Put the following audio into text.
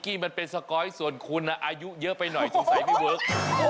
ที่มันเป็นสก๊อยส่วนคุณอายุเยอะไปหน่อยสงสัยพี่เวิร์ค